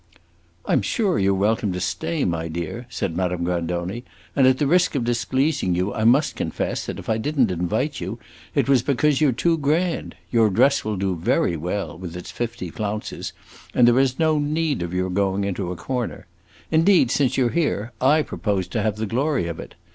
"I 'm sure you 're welcome to stay, my dear," said Madame Grandoni, "and at the risk of displeasing you I must confess that if I did n't invite you, it was because you 're too grand. Your dress will do very well, with its fifty flounces, and there is no need of your going into a corner. Indeed, since you 're here, I propose to have the glory of it.